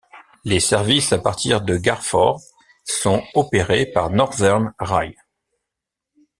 Les services à partir de Garforth sont opérés par Northern Rail.